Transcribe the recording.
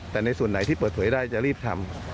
แต่ในส่วนไหนที่เปิดเผยได้จะรีบทำ